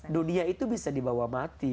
dunia itu bisa dibawa mati